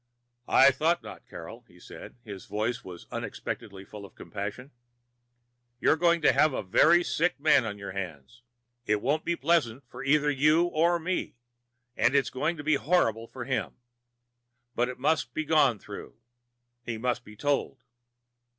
"I thought not. Carol," he said, and his voice was unexpectedly full of compassion, "you're going to have a very sick man on your hands. It won't be pleasant for either you or me, and it's going to be horrible for him. But it must be gone through. He must be told."